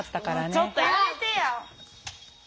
ちょっとやめてよ。